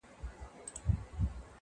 لښکر د سورلنډیو به تر ګوره پوري تښتي!.